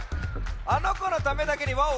あのこのためだけに「ワオ！」